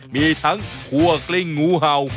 มีทั้งคั่วกลิ้งงูเห่า